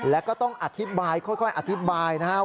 แล้วก็ต้องอธิบายค่อยอธิบายนะครับ